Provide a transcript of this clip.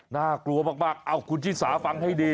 นากลัวมากเอาคุณสี่สาธารณ์ฟังให้ดี